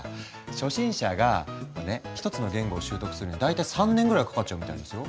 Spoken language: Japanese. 初心者がこれね一つの言語を習得するのに大体３年ぐらいかかっちゃうみたいですよ。